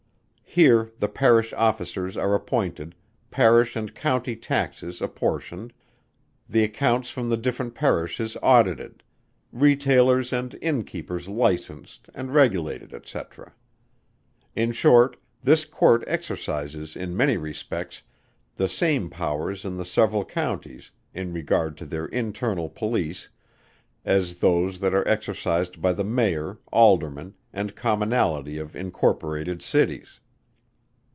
Here the parish officers are appointed, parish and county taxes apportioned; the accounts from the different parishes audited; retailers and innkeepers licensed and regulated, &c. In short, this Court exercises in many respects the same powers in the several Counties, in regard to their internal police, as those that are exercised by the Mayor, Aldermen, and Commonalty of incorporated Cities.